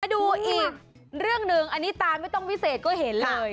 ดูอีกเรื่องหนึ่งอันนี้ตาไม่ต้องวิเศษก็เห็นเลย